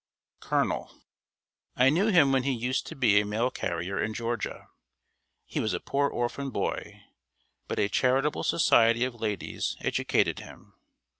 COLONEL. I knew him when he used to be a mail carrier in Georgia. He was a poor orphan boy, but a charitable society of ladies educated him.